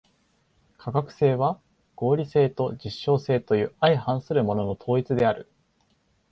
科学性は合理性と実証性という相反するものの統一である。